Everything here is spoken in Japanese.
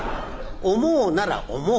思うなら思う。